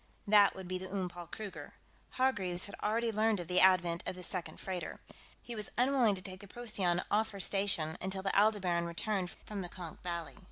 That would be the Oom Paul Kruger. Hargreaves had already learned of the advent of the second freighter. He was unwilling to take the Procyon off her station until the Aldebaran returned from the Konk Valley.